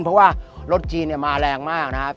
เพราะว่ารถจีนมาแรงมากนะครับ